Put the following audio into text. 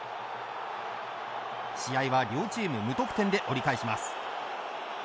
試合は両チーム無得点で折り返します。